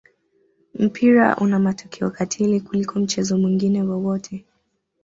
mpira una matokeo katili kuliko mchezo mwingine wowote